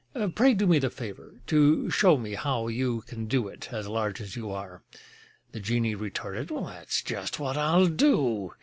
Pray do me the favor to show me how you Can do it, as large as you are." The genie retorted: "That's just what I'll do!"